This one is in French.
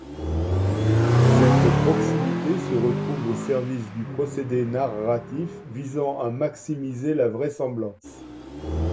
Cette proximité se retrouve au service du procédé narratif visant à maximiser la vraisemblance.